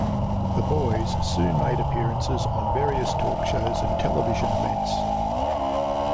The boys soon made appearances on various talk shows and television events.